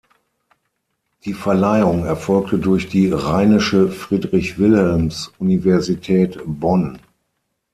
Die Verleihung erfolgte durch die Rheinische Friedrich-Wilhelms-Universität Bonn.